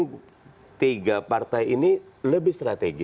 karena tiga partai ini lebih strategis